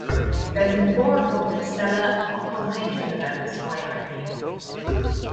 There have been four reported stellar occultation events by Irene.